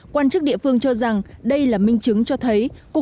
quan chức địa phương cho rằng đây là minh chứng cho thấy